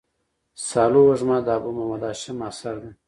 سالو وږمه د ابو محمد هاشم اثر دﺉ.